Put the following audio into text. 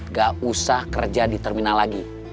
gak usah kerja di terminal lagi